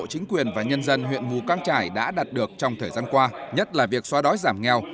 chính quyền và nhân dân huyện mù căng trải đã đạt được trong thời gian qua nhất là việc xóa đói giảm nghèo